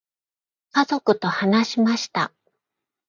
家族と話しました。